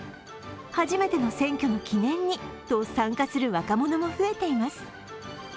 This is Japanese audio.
初めての選挙の記念にと参加する若者も増えています。